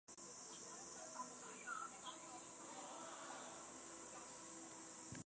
其论元结构为作通格语言。